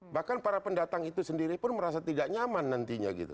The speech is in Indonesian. bahkan para pendatang itu sendiri pun merasa tidak nyaman nantinya gitu